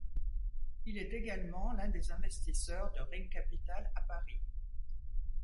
Il est également l'un des investisseurs de Ring Capital à Paris.